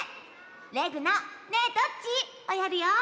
レグの「ねえどっち？」をやるよ。